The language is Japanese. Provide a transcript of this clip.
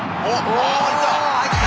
あっ入った！